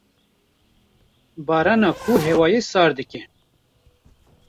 barana ku hewayê sar dike.